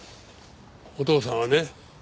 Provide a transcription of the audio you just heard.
お父さんはね